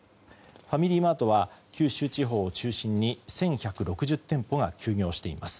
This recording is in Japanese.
ファミリーマートは九州地方を中心に１１６０店舗が休業しています。